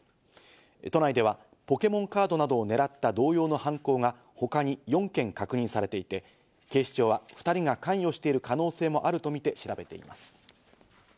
都内ではポケモンカードなどを狙った同様の犯行が他に４件確認されていて、警視庁は２人が関与している可能性もあるとみて調べています。